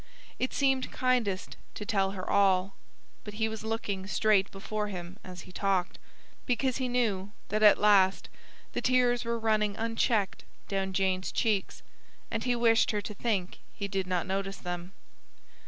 It seemed kindest to tell her all; but he was looking straight before him as he talked, because he knew that at last the tears were running unchecked down Jane's cheeks, and he wished her to think he did not notice them.